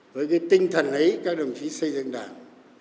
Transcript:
với cái tinh thần ấy các đồng chí xây dựng đảng